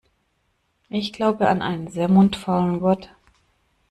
Ich glaube an einen sehr mundfaulen Gott.